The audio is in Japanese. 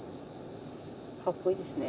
かっこいいですね。